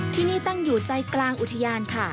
ที่นี่ตั้งอยู่ใจกลางอุทยานค่ะ